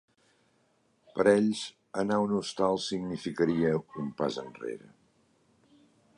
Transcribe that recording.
Per ells, anar a un hostal significaria ‘un pas enrere’.